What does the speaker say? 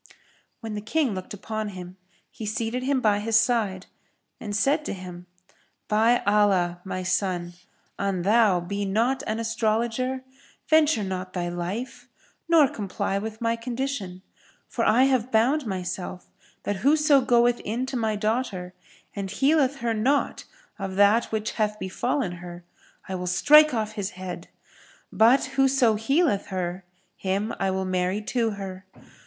When the King looked upon him, he seated him by his side and said to him, "By Allah, O my son, an thou be not an astrologer, venture not thy life nor comply with my condition; for I have bound myself that whoso goeth in to my daughter and healeth her not of that which hath befallen her I will strike off his head; but whoso healeth her him I will marry to her.